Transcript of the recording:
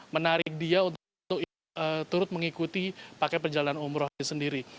menarik dia untuk turut mengikuti paket perjalanan umroh ini sendiri